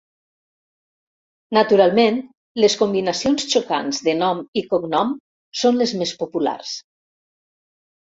Naturalment, les combinacions xocants de nom i cognom són les més populars.